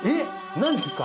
何ですか？